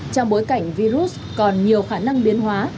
trong bối cảnh virus còn nhiều khả năng biến hóa